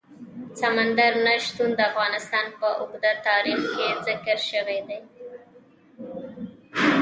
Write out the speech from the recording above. سمندر نه شتون د افغانستان په اوږده تاریخ کې ذکر شوی دی.